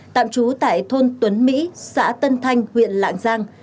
tạm trú tại thôn tuấn mỹ xã tân thanh huyện lạng giang